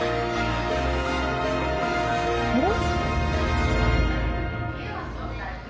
あれ？